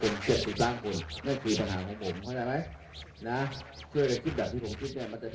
เมืองอัศวินธรรมดาคือสถานที่สุดท้ายของเมืองอัศวินธรรมดา